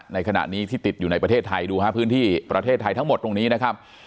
ในขณะนี้ที่ติดอยู่ในประเทศไทยดูฮะพื้นที่ประเทศไทยทั้งหมดตรงนี้นะครับ